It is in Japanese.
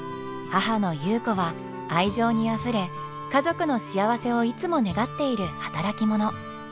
母の優子は愛情にあふれ家族の幸せをいつも願っている働き者。